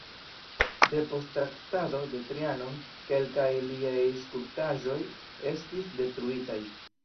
Depost Traktato de Trianon kelkaj liaj skulptaĵoj estis detruitaj.